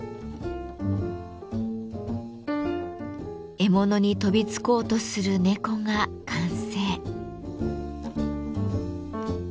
獲物に飛びつこうとする猫が完成。